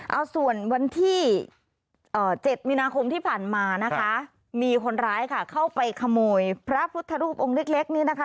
เอาส่วนวันที่๗มีนาคมที่ผ่านมานะคะมีคนร้ายค่ะเข้าไปขโมยพระพุทธรูปองค์เล็กนี่นะคะ